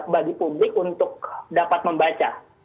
bagi publik untuk dapat membaca